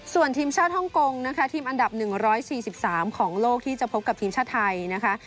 ส่วนทีมชาติฮ่องกงนะคะทีมอันดับ๑๔๓ของโลกที่จะพบกับทีมชาติไทยนะคะ